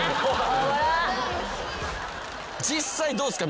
実際どうっすか？